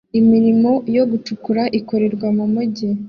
Imirimo yo gucukura ikorerwa mu mujyi